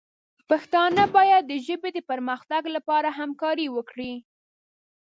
پښتانه باید د ژبې د پرمختګ لپاره همکاري وکړي.